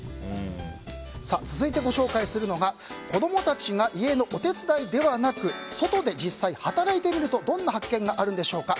続いてご紹介するのが子供たちが家のお手伝いではなく外で実際に働いてみるとどんな発見があるんでしょうか。